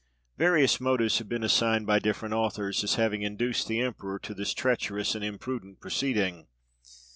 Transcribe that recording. Various motives have been assigned by different authors as having induced the emperor to this treacherous and imprudent proceeding.